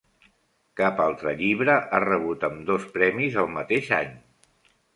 Cap altre llibre ha rebut ambdós premis el mateix any.